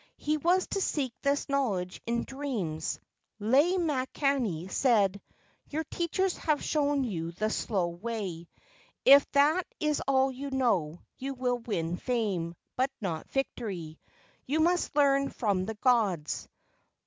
He was to seek this knowledge in dreams. Lei makani said: "Your teachers have shown you the slow way; if that is all you know, you will win fame, but not victory. You must learn from the gods."